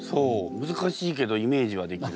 むずかしいけどイメージはできる。